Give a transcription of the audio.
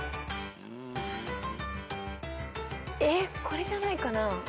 これじゃないかな。